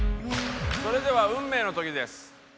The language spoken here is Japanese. それでは運命の時です。